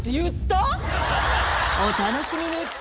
お楽しみに！